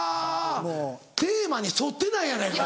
テーマに沿ってないやないか。